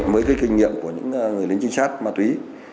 với kinh nghiệm của những người lính trinh sát ma túy